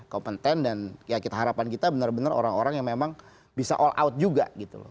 kompeten dan ya kita harapan kita benar benar orang orang yang memang bisa all out juga gitu loh